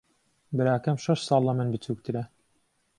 براکەم شەش ساڵ لە من بچووکترە.